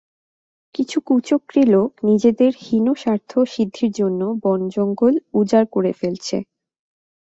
কিছু কুচক্রী লোক নিজেদের হীন স্বার্থ সিদ্ধির জন্য বন-জঙ্গল উজাড় করে ফেলছে।